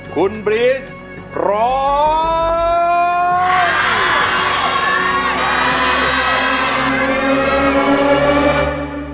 คุณบริษร้อม